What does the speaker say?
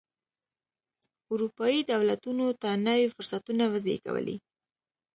اروپايي دولتونو ته نوي فرصتونه وزېږولې.